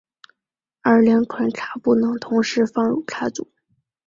而两款卡不能同时放入卡组。